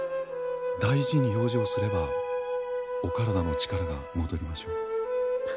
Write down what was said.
大事に養生すればお体の力が戻りましょう。